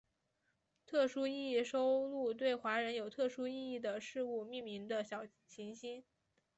特殊意义收录对华人有特殊意义的事物命名的小行星。